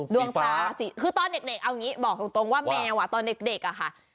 ดวงตาสิคือตอนเด็กเอาอย่างนี้บอกตรงว่าแมวตอนเด็กอะค่ะ